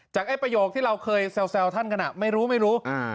ไอ้ประโยคที่เราเคยแซวท่านกันไม่รู้ไม่รู้